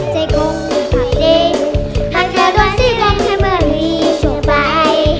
ใจกลงกลับได้หากเธอโดนซี่ลงให้เมื่อมีช่วงไป